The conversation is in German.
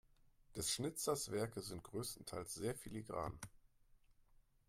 Des Schnitzers Werke sind größtenteils sehr filigran.